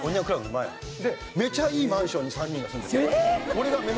めちゃいいマンションに３人が住んでるの。